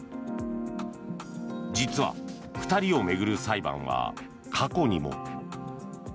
実は２人を巡る裁判は過去にも。